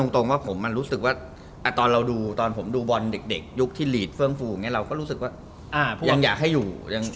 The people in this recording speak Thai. แต่ตอนเราดูตอนผมดูบอลเด็กยุคที่หลีดเฟิร์งฟูเราก็รู้สึกว่ายังอยากให้อยู่